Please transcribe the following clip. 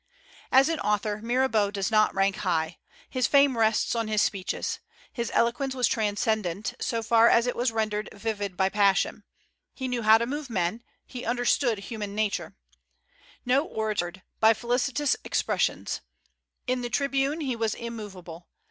As an author Mirabeau does not rank high. His fame rests on his speeches. His eloquence was transcendent, so far as it was rendered vivid by passion. He knew how to move men; he understood human nature. No orator ever did so much by a single word, by felicitous expressions. In the tribune he was immovable.